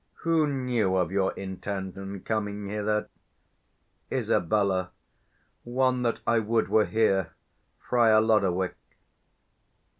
Who knew of your intent and coming hither? Isab. One that I would were here, Friar Lodowick.